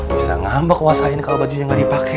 bisa ngambek wasain kalo bajunya ga dipake